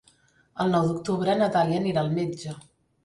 El nou d'octubre na Dàlia anirà al metge.